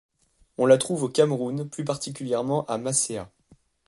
On la trouve au Cameroun, plus particulièrement à Massea.